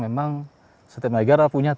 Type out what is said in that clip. memang setiap negara punya